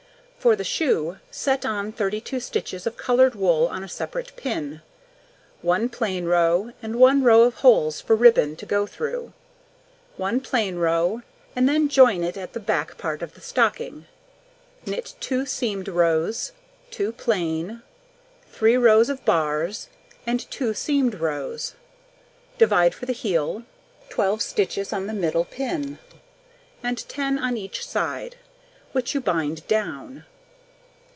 For the shoe, set on 32 stitches of coloured wool on a separate pin: 1 plain row, and 1 row of holes for ribbon to go through, 1 plain row, and then join it to the back part of the stocking, knit 2 seamed rows, 2 plain, 3 rows of bars, and 2 seamed rows. Divide for the heel 12 stitches on the middle pin, and 10 on each side, which you bind down.